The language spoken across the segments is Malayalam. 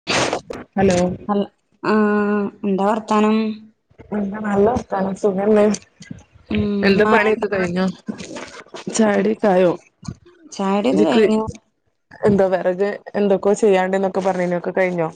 [inaudible] ഹലോ അല്ല ആഹ് എന്താ വർത്താനം എന്താ നല്ല വർത്താനം സുഖന്നേ ഉം എന്താ മഴ പണിയൊക്കെ കഴിഞ്ഞോ ചായോടി ഒക്കെ ആയോ ചായോടി ഒക്കെ കഴിഞ്ഞു എന്താ വെറക് എന്തൊക്കോ ചെയ്യാനിണ്ടെന്നൊക്കെ പറഞ്ഞിനു ഒക്കെ കഴിഞ്ഞോ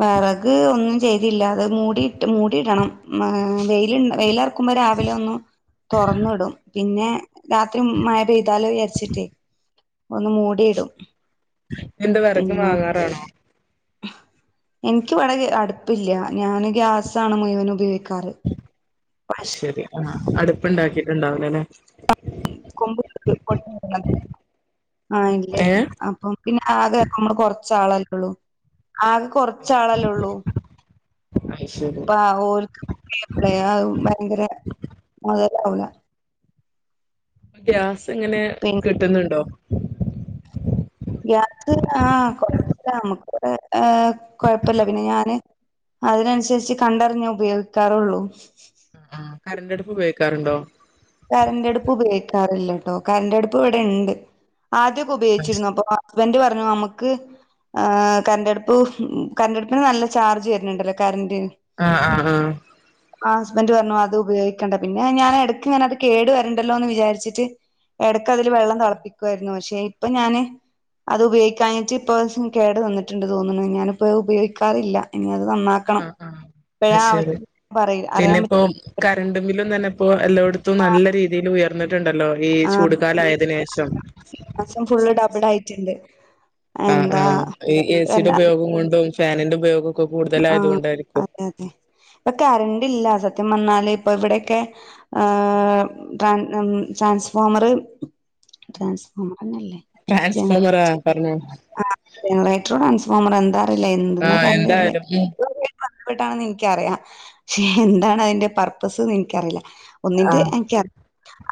വിറക് ഒന്നും ചെയ്തില്ല അത് മൂടിട്ട് മൂടിടണം മ് വെയിലു വെയിലിറക്കുമ്പോ രാവിലെ ഒന്ന് തുറന്നിടും പിന്നെ രാത്രി മഴ പെയ്താലോ വിചാരിച്ചിട്ടേ ഒന്ന് മൂടിയിടും എന്താ വിറക് പിന്നെ വാങ്ങാറാണോ എനിക്ക് ഇവടെ അടുപ്പില്ല ഞാന് ഗ്യാസാണ് മുഴുവൻ ഉപയോഗിക്കാറ് അഹ് ശെരി ആഹ് അടുപ്പുണ്ടാക്കിട്ടുണ്ടാവില്ലാല്ലെ [unintelligible] ആഹ് ഇല്ല ഇല്ല ഏഹ് അപ്പം പിന്നെ ആകെ നമ്മള് കൊറച്ചാളല്ലേ ഉള്ളൂ ആകെ കൊറച്ചാളല്ലേ ഉള്ളൂ അയ് ശരി അപ്പ ഓൽക്ക് ഭയങ്കര മുതലാവുലാ [unintelligible] ഗ്യാസ് ഇങ്ങനെ പിന്നെ കിട്ടുന്നുണ്ടോ ഗ്യാസ് ആഹ് കൊഴപ്പില്ല നമുക്ക് അങ്ങനെ കൊഴപ്പില്ല പിന്നെ ഞാന് അത് നൻസര്ച്ച് കണ്ടറിഞ്ഞേഉപയോഗിക്കാറൊള്ളൂ. ആ കറണ്ട് അടുപ്പുപയോഗിക്കാറുണ്ടോ കറണ്ടടുപ്പ് ഉപയോഗിക്കാറില്ല കേട്ടോ കറണ്ടടുപ്പ് ഇവിടെ ഉണ്ട് ആദ്യോക്കെ ഉപയോഗിച്ചിരുന്നു അപ്പൊ ഹസ്ബന്റെ പറഞ്ഞു നമുക്ക് ആഹ് കറണ്ടടുപ്പ് കറണ്ടടുപ്പിന് നല്ല ചാർജ് വരുന്നുണ്ടല്ലോ കറന്റ് ആഹ് ആഹ് ആഹ് ആ ഹസ്ബൻറ് പറഞ്ഞു അത് ഉപയോഗിക്കണ്ട. പിന്നെ ഞാന് എടക്ക്ങ്ങനത് കേടു വരണ്ടല്ലോ എന്ന് വിചാരിച്ചിട്ട് എടക്കതില് വെള്ളം തിളപ്പിക്കുവായിരുന്നു. പക്ഷെ ഇപ്പൊ ഞാനത് അത് ഉപയോഗിക്കാഞ്ഞിട്ട്പ്പൊ കേട് വന്നിട്ടുണ്ട് തോന്ന്ണ്. ഞാനിപ്പോ ഉപയോഗിക്കാറില്ല ഇനി അത് നന്നാക് ക്ക്ണം. ആഹ് ആഹ് പ്പ അത് ആവശ്യ പറ അറിയൻ പ [unintelligible] കറണ്ടും ബില്ലും തന്നെപ്പോ എല്ലോട്ത്തും ആ നല്ല രീതിയിൽ ഉയർ - ന്നിട്ടുണ്ടല്ലോ ഈ ആ ചൂടുകാലയതിന് ശേഷം ഈ മാസം ഫുള്ള് ഡബിളായിട്ടുണ്ട് ആഹ് ആഹ് ഈ എസിയുടെ ഉപയോഗം കൊണ്ടും ഫാനിന്റെ ഉപയോഗം ഒക്കെ കൂടുതലായത് ആഹ് കൊണ്ടായിരിക്കും അതെ അതെ ഇപ്പൊ കെരണ്ടില്ല സത്യം പറഞ്ഞാല് ഇപ്പൊ ഇവിടേക്കെ ആഹ് ട്രാൻ ഉം ട്രാൻസ്ഫോമർ ട്രാൻസ്ഫോമറന്നല്ലേ ട്രാൻസ്‌ഫോർമറാ പറഞ്ഞോ ആ ജെനറേറ്ററോ ട്രാൻസ്ഫോമറോ എന്താ അറില്ല എന്തന്നാ ആഹ് കര്ണ്ടര്ല് എന്തായാലും ഉം ബന്ധപ്പെട്ടാണെന്ന് ഇൻക്കറിയാം. പക്ഷെ എന്താണതിന്റെ പർപ്പസ്ന്ന് ഇൻക്കറില ഒന്നിന്റെ ആഹ് എനിക്കറിയാം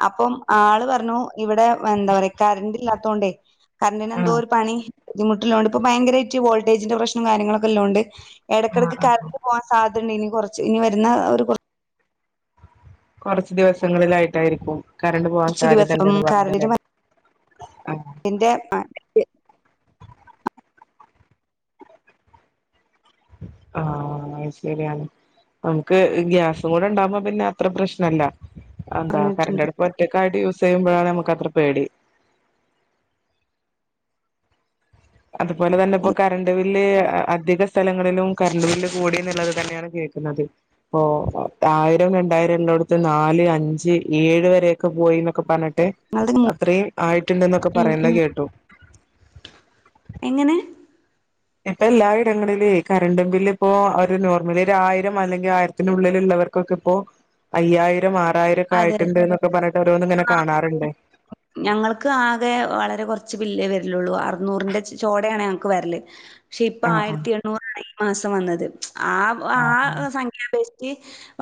അപ്പം ആള് പറഞ്ഞു ഇവിടെ എന്താ പറയാ കറണ്ട് ഇല്ലാത്തോണ്ടേ കറണ്ടറിന് എന്തോ ആഹ് ഒരു പണി ബുദ്ധിമുട്ടള്ളോണ്ട് ഇപ്പോ ഭയങ്കരമായിട്ട് വോൾട്ടേജിന്റെ പ്രശ്നം കാര്യങ്ങളൊക്കെള്ളോണ്ട് എടക്കെടക്ക് ആഹ് ആഹ് കറണ്ട് പോവാൻ സാധ്യതയിണ്ട് ഇനി കുറച്ച് ഇനി വരുന്ന ഒരു കൊർ കൊറച്ച് ദിവസങ്ങളിലായിട്ടായിരിക്കും കറണ്ട് പോവാൻ കുറച്ച് ദിവസം സാധ്യതണ്ട്ന്ന് പറഞ്ഞതല്ലേ ആഹ എന്റെ [unintelligible] ആഹ് അത് ശര്യാണ് നമുക്ക് ഗ്യാസും കൂടെണ്ടാവുമ്പോ പിന്നെ അത്ര പ്രശ്നല്ല അന്താ പറഞ്ഞിട്ടുണ്ട് കറന്റടുപ്പ് ഒറ്റക്കായിട്ട് യൂസെയ്യുമ്പോഴാണ് ഞമ്മക്കത്ര പേടി അതുപോലെ തന്നെ ഇപ്പോ കറണ്ട് ബില്ല് അധിക സ്ഥലങ്ങളിലും കറണ്ട് ബില്ല് കൂടി എന്നുള്ളത് തന്നെയാണ് കേക്കുന്നത് പ്പൊ ആയിരം രണ്ടായിരംള്ളോട്ത്ത് നാല് അഞ്ച് ഏഴ് വരെയൊക്കെ പോയി ന്നൊക്കെ പർഞ്ഞിട്ട് അത്രേം ആയിട്ടുണ്ടന്നൊക്കെ ഉം പറയുന്ന ഉം കേട്ടു. എങ്ങനെ? ഇപ്പെല്ലാ ഇടങ്ങളിലൂയ് കറണ്ട് ബില്ല്പ്പോ ഒരു നോർമലി ഒരു ആയിരം അല്ലെങ്കിൽ ആയിരത്തിനുള്ളില്ള്ളവർ-. കൊക്കെപ്പോ അയ്യായിരം ആറായിരം ഒക്കെ അതെ അതെ ആയിട്ടുണ്ട്, ന്നൊക്കെ പറഞ്ഞിട്ട് ഓരോന്ന്ങ്ങനെ കാണാറുണ്ട്. ഞങ്ങൾക്ക് ആകെ വളരെ കൊർച്ച് ബില്ലേ വരിലുള്ളൂ. അറുനൂറിന്റെ ചോടേണ് ഞങ്ങക്ക് വരല്. പക്ഷെ ഇപ്പ ആ ആ ആയിരത്തി എണ്ണൂറാണ് ഈ മാസം വന്നത്. ആഹ് ആ ആ ആസം - ഖ്യ പേക്ഷിച്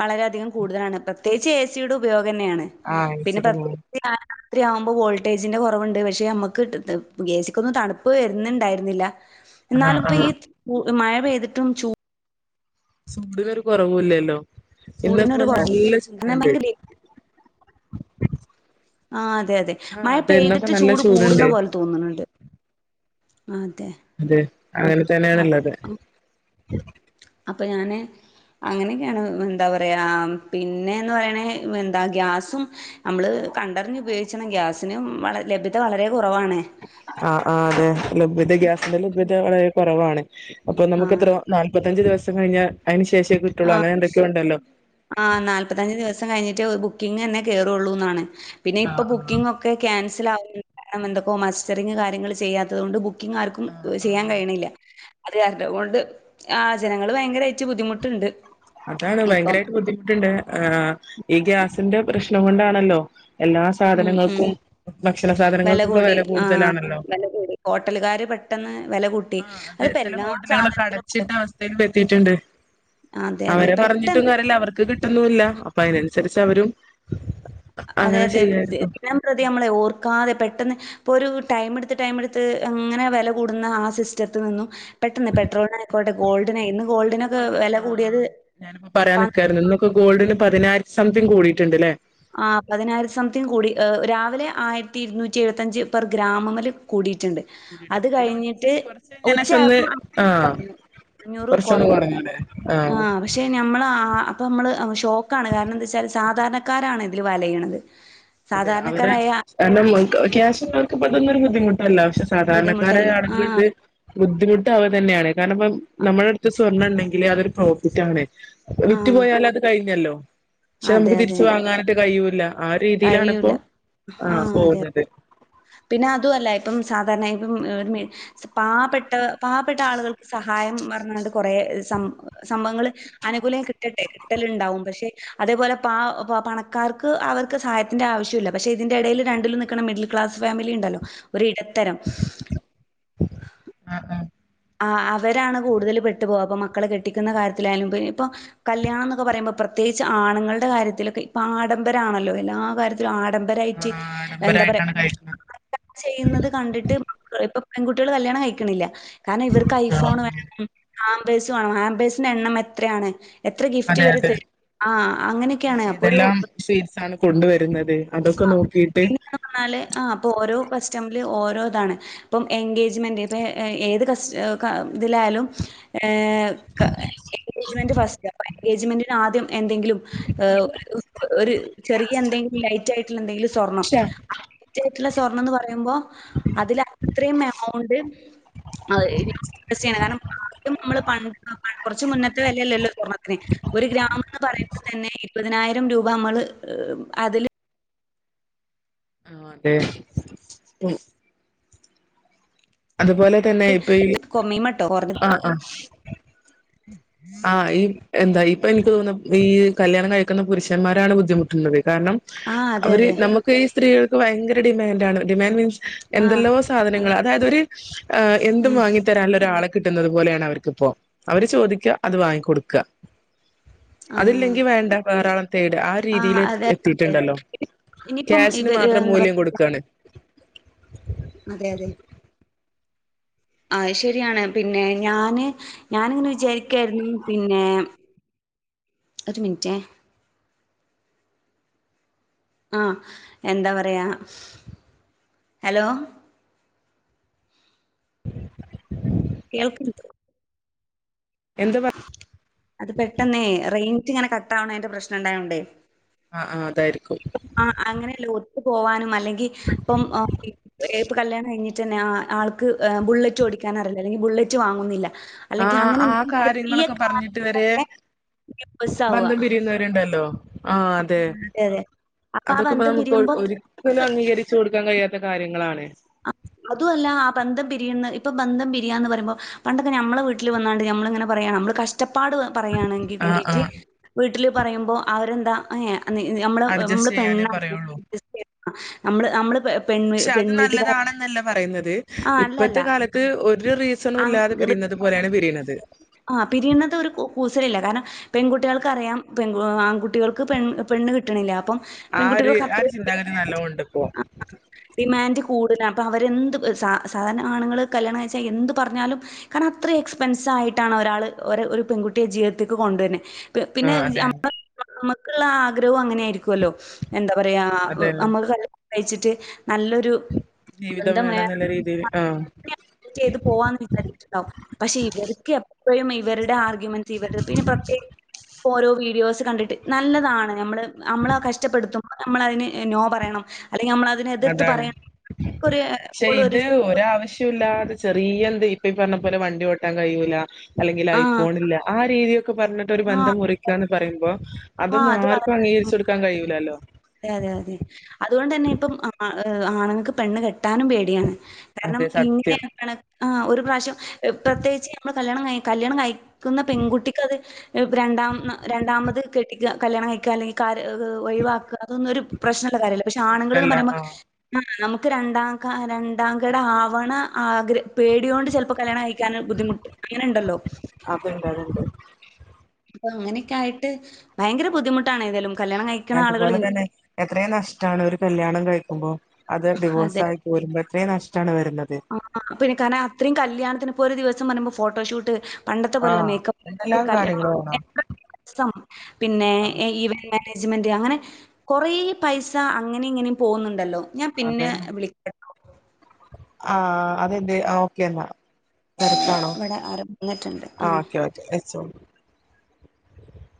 വളരെയധികം കൂടുതലാണ്. പ്രത്യേകിച്ച് എ സിയുടെ ഉപയോഗന്നേണ്. ആഹ് അയച്ചിരുന്നു. രാത്രിയാവുമ്പോ വോൾട്ടേജിന്റെ കൊറവുണ്ട്. പക്ഷെ നമ്മുക്ക് എ. സിക്കൊന്ന് തണു - പ്പ് വരുന്ന്ണ്ടായില്ല. ആ ന്നാലും ആ പ്പോ ആ ഈ മഴ പെയ്തിട്ടും ചൂ-. ചൂട്നൊരു കുറവുല്ലല്ലോ? ഇന്ന്പ്പോ ചൂടിനൊരു കുറവ് നല്ല ചൂട് കാരണം ണ്ട്. ഭയങ്കര ആഹ് അതെ അതെ. ആഹ് മഴ അതെ ഇന്നൊക്കെ പെയ്തിട്ട് നല്ല ചൂട് കൂടുന്ന ചൂടുണ്ട് പോല- തോന്ന്ണ് ണ്ട്. അതെ. അതെ. അങ്ങനെ തന്നെയാണ്ള്ളത്. അപ്പ ഞാന്. അങ്ങനെക്കെയാണ് എന്താ പറയ. പിന്നെന്ന് പറയണ എന്താ ഗ്യാസും. അമ്മള് കണ്ടർഞ്ഞു ഉപയോഗിച്ചണം. ഗ്യാസിനും വള ലഭ്യത വളരെ കുറവാണ്. ആഹ് ആഹ് അതെ ലഭ്യത ഗ്യാസിന്റെ ലഭ്യത വളരെ കുറവാണ്. അപ്പൊ ആഹ് നമുക്ക്ത്ര- നാൽപ്പത്തഞ്ച് ദിവസം കഴിഞ്ഞാ അയ്ന് ശേഷേ കിട്ടുള്ളൂ അങ്ങനെ എന്തൊക്കെയോ ഉണ്ടല്ലോ ആഹ നാല്പ്പത്തഞ്ച് ദിവസം കഴിഞ്ഞിട്ടേ ബുക്കിംഗന്നെ കേറുള്ളൂ എന്നാണ്. പിന്നെ ഇപ്പൊ ആഹ് ആഹ് ബുക്കിംഗ ഒക്കെ - ഒക്കെ ക്യാൻസൽ ആഹ കാരണം എന്തൊക്കോ മസ്റ്ററിംഗ് കാര്യങ്ങൾ ചെയ്യാത്തത് കൊണ്ട്. ബുക്ക്- ക്കിങ് ആർക്കും ആഹ് ചെയ്യാൻ ആഹ് കഴിയണില്ല. അതെ അതുകൊണ്ട് ആഹ ജനങ്ങള് ഭയങ്കരയ്ട്ടു ബുദ്ധിമുട്ടുണ്ട്. അതാണ്. ഇപ്പം ഭയങ്കരമായിട്ട് ബുദ്ധിമുട്ടുണ്ട്. ആഹ ഗ്യാസിന്റ പ്രശ്നം കൊണ്ടാണല്ലോ, എല്ലാ. ഉം ഉം. സാധനങ്ങൾക്കും ഭക്ഷണ വില സാധനങ്ങൾക്കൊക്കെ കൂടി. ആഹ കൂടുതലാണല്ലോ വില കൂടി. ഹോട്ടലുകാർ പെട്ട ട്ടന്ന് വില കൂട്ടി. അത്പ്പൊ എല്ലാ സാ - അടച്ചിട്ട് അവസ്ഥയിൽ എത്തിയിട്ടുണ്ട്. അതെ അതെ അവരെ പറഞ്ഞിട്ടും പെട്ടെന്ന് കാര്യല്ല. അവർക്ക് കിട്ടുന്നുല്ല. അപ്പൊ അതിനനുസരിച്ച് അവരും- അതെ അങ്ങനെ അതെ. ചെയ്യായിരുന്നു ദിനംപ്രതി നമ്മള് ഓർക്കാതെ പെട്ടെന്ന്- ഇപ്പൊ ഒരു ടൈമ്ടുത്ത് ടൈമടുത്ത് അങ്ങനെ വില കൂടുന്ന ആഹ സിസ്റ്റത്ത് നിന്നും. പെട്ടെന്ന് പെട്രോളിനയിക്കോട്ടെ ഗോൾഡിന് ഇന്ന് ഇപ്പൊ ഗോൾഡിനൊക്കെ ഇന്ന് വില കൂടിയത്. ആഹ് ഞാനിപ്പോ പറയാൻ പ നിക്കായിരുന്നു. ഇന്നൊക്കെ ഗോൾഡിന് പതിനായിരം സംതിങ് കൂടിയിട്ടുണ്ട്ല്ലേ? ആഹ പതിനായിരത്തി സംതിങ്ങ് കൂടി്. രാവിലെ ആയിരത്തി ഇരുന്നൂറ്റി എഴുപത്തഞ്ച് പെർ ഗ്രാമ്മ്മല് കൂടിയിട്ടുണ്ട്. അത് കൂടിയിട്ടുണ്ട് പിന്നെ കഴിഞ്ഞിട്ട്. ഉച്ചക്ക് കുറച്ച് കഴിഞ്ഞേനേഷം ഒന്ന് ഉച്ചയപ്പോ [unintelligible] ആഹ് പറഞ്ഞു. അഞ്ഞൂറ് കുറച്ചൊന്ന് കുറഞ്ഞു. കുറഞ്ഞല്ലേ ആഹ് ആഹ പക്ഷേ നമ്മൾ അപ്പോനമ്മള് ഷോക്കാണ്. കാരണം എന്താ വെച്ചാൽ സാധാരണ ക്കാരാണ് ഇതിൽ വലയണത്. അതെ അവരെ സാധാരണക്കാരായ- കാരണം ക്യാഷ് ള്ളോർക്ക്തൊന്നൊരു ബുദ്ധിമുട്ടല്ല. പക്ഷെ സാധാരണക്കാരായ ബുദ്ധിമുട്ടല്ല ആള്കള് ആഹ് ഇത്. ബുദ്ധിമുട്ട് ആവ തന്നെയാണ്. കാരണം ഇപ്പ നമ്മുടെ അടുത്ത് സ്വർണ്ണം ഉണ്ടെങ്കില് അതൊരു പ്രോഫിറ്റ് ആണ്. വിറ്റ് ആഹ് പോയാൽ അത് കഴിഞ്ഞല്ലോ? പക്ഷെ അതെ നമുക്ക് അതെ തിരിച്ച് വാങ്ങാനായിട്ട് കഴിയൂല്ല. ആര് - തിയിലാണിപ്പോ, കഴിയൂല ആഹ ആഹ് അതെ പോകുന്നത്. പിന്നെ അതും അല്ല. ഇപ്പം സാധാരണപ്പം ഒരു മി- പാവപ്പെട്ട പാവപ്പെട്ട ആളുകൾക്ക് സഹായം പറഞ്ഞണ്ട് കുറെ സം സംഭവങ്ങള്. അനുകൂലായ് കിട്ടട്ടെ. കിട്ടലുണ്ടാവും. പക്ഷെ അതേപോലെ പ പണക്കാർക്ക് അവർക്ക്. സഹായത്തിന്റെ ആവശ്യല്ല. പക്ഷെ ഇതിന്റെ ഇടയിൽ രണ്ടിലും നിക്കണ മിഡിൽ ക്ലാസ് ഫാമിലി ഉണ്ടല്ലോ. ഒരു ഇടത്തരം. ആഹ ആഹ. ആഹ. അവരാണ് കൂടുതൽ പെട്ടുപോകുക. അപ്പൊ മക്കളെ കെട്ടിക്കുന്ന കാര്യത്തിലായാലും. പിന്നെ ഇപ്പൊ- കല്യാണംന്നൊക്കെ പറയുമ്പോ പ്രത്യേകിച്ച് ആണുങ്ങളുടെ കാര്യത്തിലൊക്കെ ഇപ്പൊ ആഡംബരാണല്ലോ? എല്ലാ കാര്യത്തിലും. ആഡംബരയിട്ട്, ആഹ് എന്താ പറയാ. ആഡംബരായിട്ടാണ് കഴിക്കുന്നത് ചെയ്യുന്നത് കണ്ടിട്ട് ഇപ്പം പെൺകുട്ടികള് കല്യാണം കഴിക്കണില്ല കാരണം ഇവർക്ക് ആഹ് ഐഫോൺ വേണം ഹാംബേസ് വേണം ഹാബേസിനെണ്ണം എത്രയാണ് എത്ര ഗിഫ്റ്റ് അതെ ഇവര് അതെ തരും ആഹ് അങ്ങനെയൊക്കെയാണ് അപ്പോ ഒരു സീസണ് കൊണ്ടുവരുന്നത് അതൊക്കെ നോക്കിട്ട് ന്നാല് ആഹ് അപ്പോ ഓരോ കസ്റ്റമില് ഓരോ ഇതാണ് ഇപ്പം എൻഗേജ്മെന്റ് ഇപ്പേ ഏത് കസ് ക ഇതില് ആയാലും ക എൻഗേജ്മെന്റ് ഫസ്റ്റ് അപ്പം എൻഗേജ്മെന്റിന് ആദ്യം എന്തെങ്കിലും വ് ഒരു ചെറിയ എന്തെങ്കില് ലൈറ്റ് ആയിട്ടുള്ള എന്തെങ്കിലും സ്വർണം ആഹ് റ്റായിട്ടുള്ള സ്വർണന്ന് പറയുമ്പോ അതില് അത്രേം എമൗണ്ട് അതേരി ടെസ്‌റ്റേയണം കാരണം ആദ്യം ഞമ്മള് പൺ കൊറച്ച് മുന്നത്തെ വല്യല്ലോ സ്വർണത്തിന് ഒരു ഗ്രാമ എന്ന് പറയുമ്പം തന്നെ ഇരുപതിനായിരം രൂപ നമ്മള് അതില് ഓന്റെ ഉം അതുപോലെ തന്നെ ഇപ്പ ഈ കൊമീമട്ടോ കൊറ ആഹ് ആഹ് ആഹ് ഈ എന്താ ഇപ്പോ എനിക്ക് തോന്നുന്നു ഈ കല്യാണം കഴിക്കുന്ന പുരുഷന്മാരാണ് ബുദ്ധിമുട്ടുന്നത് കാരണം ആഹ് അതെ അവര് അതെ. നമുക്ക് ഈ സ്ത്രീകൾക്ക് ഭയങ്കര ഡിമാൻഡാണ് ഡിമാൻഡ് മീൻസ് ആഹ് എന്തെല്ലോ ആഹ് സാധനങ്ങളാ അതായത് ഒര് എഹ് എന്തും ഉം വാങ്ങി തരാൻള്ളൊരു ആളെ കിട്ടുന്നത് പോലെയാണ് അവർക്ക്പ്പോ. അവര് ചോദിക്ക, അത് വാങ്ങികൊടുക്ക. ആഹ് അതില്ലെങ്കി വേണ്ട വേറാളെ തേടാ ആ ആഹ് രീതിലേക്ക് അതെ അതെ എത്തിട്ട്ണ്ടല്ലോ ഇനിയിപ്പം ക്യാഷിന് ഇവര് മാത്രം എന്താ മൂല്യം പറയ കൊടുക്കാണ് അതെ അതെ അയ് ശരിയാണ് പിന്നെ ഞാന് ഞാനിങ്ങനെ വിചാരിക്കേരുന്നു പിന്നെ ഒരു മിൻറ്റേ ആഹ് എന്താ പറയാ ഹലോ കേൾക്ക് എന്ത പർ അത് പെട്ടെന്നേ റേയ്ഞ്ചിങ്ങനെ കട്ടാവണേന്റ പ്രശ്നം ഇണ്ടായോണ്ടേ ആഹ് ആഹ് അതായിരിക്കും ആഹ് അങ്ങനെയല്ല ഒത്തു പോവാനും അല്ലെങ്കി ഇപ്പം ഏ പ്പ് കല്യാണം കഴിഞ്ഞി റ്റന്നെ ആ ആൾക്ക് ബുള്ളറ്റ് ഓടിക്കാൻ അറില്ല അല്ലെങ്കിൽ ബുള്ളറ്റ് വാങ്ങുന്നില്ല അല്ലെങ്കിൽ ആഹ് അങ്ങനെ ആഹ് എന്തെങ്കിലും ചെറിയ കാര്യങ്ങളൊക്ക കാറിന്റെ പറഞ്ഞിട്ട് ഇവര് ബസ്സാവുക ബന്ധം പിരിയുന്നവ ര്ണ്ടല്ലോ ആഹ് അതെ അപ്പൊ ആ അതൊക്ക ഇപ്പൊ ബന്ധം നമുക്ക് ഒഴു പിരിയുമ്പോ ഒര് ക്കലും അംഗീകരിച്ചു കൊടുക്കാൻ കഴിയാത്ത കാര്യങ്ങളാണ് അ ഹ് അതു അല്ല ആഹ് ബന്ധം പിരിയുന്ന ഇപ്പം ബന്ധം പിരിയാന്ന് പറയുമ്പോ പണ്ടൊക്കെ ഞമ്മളെ വീട്ട്ല് വന്നാണ്ട് ഞമ്മളിങ്ങനെ പറയാം ഞമ്മള് കഷ് റ്റപ്പാട് പറയാണെങ്കി ആഹ് കൂടിറ്റ് ആഹ് വീട്ടില് പറയുമ്പോ അവരെന്താ ഏ നീ നീ ഞമ്മള് മ്മള് അഡ്ജസ്റ്റ് ചെയ്യാനേ പെണ്ണാണ് പറയുള്ളൂ അഡ്ജസ്റ്റ് ചെയ്യണം നമ്മള് ണമ്മള് പെൺ പെൺവീട്ട്ക്കാര ന്നല്ല പറയുന്നത് ഇപ്പഴത്തെ കാലത്ത് ഒരു റീസണും അങ് ഇല്ലാതെ പിരിയുന്നത് പോലെയാണ് പിരീണത് ആഹ് പിരീണത് ഒരു കു കൂസലില്ല കാരണം പെൺകുട്ടികൾക്ക് അറിയാം പെൺകു ആൺകുട്ടികൾക്ക് പെണ് പെണ്ണ് കിട്ടണില്ല അപ്പം ആ ഒരു പെൺകുട്ടികൾക്ക് ആ ഒരു അത്രേം ചിന്താഗതി ഡിമാന്റ് നല്ലോണ്ട് ഇപ്പോ ആഹ് ആഹ് ഡിമാൻഡ് കൂടുലാ അപ്പോ അവരെന്ത് സാ സാധാരണ ആണ്ങ്ങള് കല്യാണം കഴിച്ചാൽ എന്ത് പറഞ്ഞാലും കാരണം അത്രിം എക്സ്പെൻസായിട്ടാണ് ഒരാള് ഒര് ഒരു പെങ്കുട്ടിയെ ജീവ്തത്ത്ക്ക് കൊണ്ട് വെര്ന് പ് പിന്നെ ആഹ് ഞ അതെ അമ്മ് [unintelligible] ഞമ്മക്ക്ള്ളെ ആ ആഗ്രവും അങ്ങനെ ആയിരിക്കൊല്ലോ എന്താ പറയാ അതന്നെ അമ്മക് കല്യാണം കഴിച്ചിട്ട് നല്ലൊരു ജീവിതം ബന്ധം വേണം വേണംന്ന്ല്ല രീതില് ആഹ് ചെയ്ത് പ് പോവാന്ന് വിചാരിച്ചിട്ടുണ്ടാവും പക്ഷേ ഇവർക്ക് എപ്പഴും ഇവരുടെ ആർഗ്യുമെന്റ്സ് ഇവര്‌ടെ പിന്നെ പ്രത്യേ കോരോ വീഡിയോസ് കണ്ടിട്ട് നല്ലതാണ് ഞമ്മള് അമ്മളഹ് കഷ്ടപ്പെടുത്തും ഞമ്മള് അതിന് നോ പറയണം അല്ലെങ്കിൽ നമ്മളത് തിനെ എതിർത്ത് അതാണ് പറയണം നമുക്ക് ഒരു എപ്പളൊരു സെ ഒരാവശ്യം ഇല്ലാതെ ചെറിയ എന്താ ഇപ്പ ഈ പറഞ്ഞ പോലെ വണ്ടി ഓട്ടാൻ കഴിയൂല അല്ലെങ്കിൽ ആ ഐഫോണില്ല ആ രീതിയൊക്കെ പർഞ്ഞ് ഒരു ആ ബന്ധം മുറിക്കാന്ന് പറയുമ്പോ ആ അതൊന്നും അത് വളരെ ആർക്കും ഉം. അംഗീകരിച്ച് കൊടുക്കാൻ കഴിയൂലാല്ലോ അതെ അതെ അതെ അതുകൊണ്ട് തന്നെ ഇപ്പം ആണുങ്ങൾക്ക് പെണ് കെട്ടാനും പേ ടിയാണ് കാരണം അതെ ഇങ്ങനെ സത്യം ഒക്കേണ് ആഹ് ഒരു പ്രാവശ്യം പ്രത്യേകിച്ച് ഞമ്മള് കല്യാണം കഴ് കല്യാണം കഴി ക്ക്ന്ന പെങ്കുട്ടിക്കത് എഹ് രണ്ടാം രണ്ടാമത് കെട്ടി കല്യാണം കഴിക്കുക, അല്ലെങ്കിൽ ഒഴിവാക്കുക, അതൊന്നും ഒരു- പ്രശ്നമുള്ള കാര്യമല്ല പക്ഷെ, ആണുങ്ങൾന്ന് പ്രശ്നല്ല പറയുമ്പോ- ആഹ് ആ നമുക്ക് രണ്ടാം, രണ്ടാംകട- ആവണ ആഗ്ര പേടൊണ്ട് ചിലപ്പോ കല്യാണം കഴി- ൻ ബുദ്ധിമുട്ട് അങ്ങനെ ഉണ്ടല്ലോ. അപ്പണ്ടതണ്ട്, അപ്പോ അങ്ങനെയൊക്കെ ആയിട്ട്, ഭയങ്കര ബുദ്ധിമുട്ടാണ് ഏതയാലും. അതുപോലെ തന്നെ, എത്രയും നഷ്ടമാണ് ഒരു കല്ല്യാണം- കഴിക്കുമ്പോ അത് ഡിവോഴ്സ് ആയി- പോരുമ്പോ അത്രയും നഷ്ടമാണ് വരുന്നത്. ആഹാ പിന്നെ കാരണം അത്രയും, കല്യാണത്തിന്നിപ്പോ ഒരു ദിവസം, പറയുമ്പോ ഫോട്ടോഷൂട്ട്, പണ്ടത്തെ പോലെയുള്ള ആഹ് മേക്കപ്പ് എന്തെല്ലാം [unintelligible] കാര്യങ്ങളാണ് ആഹ് മേജ്മെന്റ് അങ്ങനെ കൊറേ- പൈസ അങ്ങനെ, ഇങ്ങനെ- പോകുന്നുണ്ടല്ലോ? ഞാൻ പിന്നെ അതന്നെ വിളക്കാം. ആഹ് അതെന്തെ? ആഹാ ഓക്കെ എന്നാ. തിരക്കാണോ? ഇവിടെ ആരോ വന്നിട്ടുണ്ട്. ആ. ആഹാ ഓക്കെ, ഓക്കെ, വച്ചോളു.